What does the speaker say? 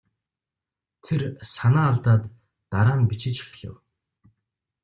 Тэр санаа алдаад дараа нь бичиж эхлэв.